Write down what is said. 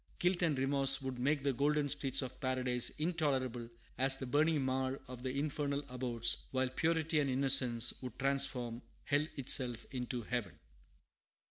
Guilt and remorse would make the golden streets of Paradise intolerable as the burning marl of the infernal abodes; while purity and innocence would transform hell itself into heaven.